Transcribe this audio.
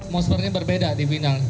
maksudnya berbeda di final